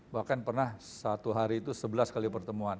bahkan pernah satu hari itu sebelas kali pertemuan